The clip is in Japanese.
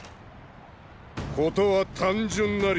事は単純なり。